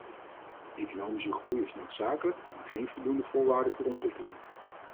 Economische groei is noodzakelijke maar geen voldoende voorwaarde voor ontwikkeling.